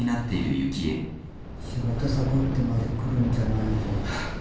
仕事サボってまで来るんじゃないよ。